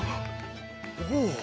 おお！